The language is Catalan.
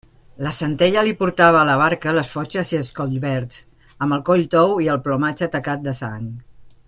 La Centella li portava a la barca les fotges i els collverds, amb el coll tou i el plomatge tacat de sang.